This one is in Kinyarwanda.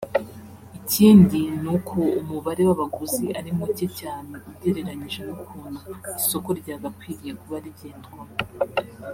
Ikindi ni uko umubare w’abaguzi ari muke cyane ugereranyije n’ukuntu isoko ryagakwiriye kuba rigendwamo